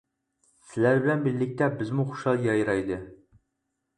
سىلەر بىلەن بىرلىكتە، بىزمۇ خۇشال يايرايلى.